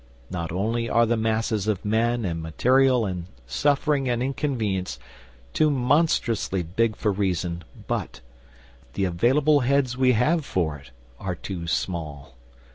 Not only are the masses of men and material and suffering and inconvenience too monstrously big for reason, but the available heads we have for it, are too small.